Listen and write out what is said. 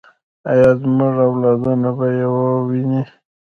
آیا زموږ اولادونه به یې وویني؟